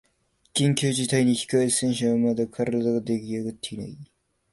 緊急事態に控え選手はまだ体ができあがってない